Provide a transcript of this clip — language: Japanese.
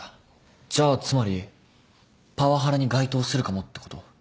じゃあつまりパワハラに該当するかもってこと？